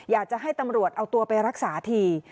อยากจะให้ตำรวจเอาตัวไปรักษาที